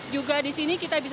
juga di sini kita bisa